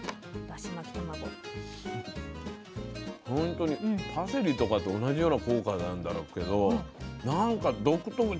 ほんとにパセリとかと同じような効果なんだろうけど何か独特。